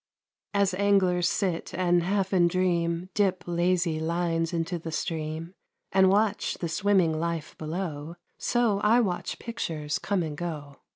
As anglers sit and half in dream Dip lazy lines into the stream, And watch the swimming life below, So I watch pictures come and go.